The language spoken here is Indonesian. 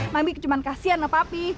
mami kukasihkan sama papi